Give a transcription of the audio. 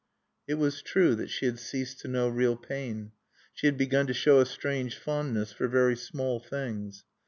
It was true that she had ceased to know real pain. She had begun to show a strange fondness for very small things.